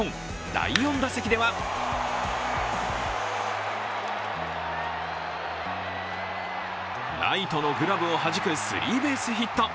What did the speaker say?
第４打席ではライトのグラブをはじくスリーベースヒット。